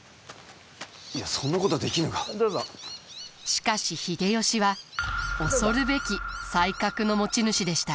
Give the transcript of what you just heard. しかし秀吉は恐るべき才覚の持ち主でした。